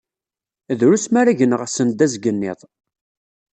Drus mi ara gneɣ send azgen-iḍ.